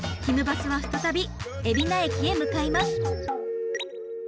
バスは再び海老名駅へ向かいます。